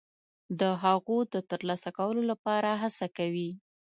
د هغو د ترلاسه کولو لپاره هڅه کوي.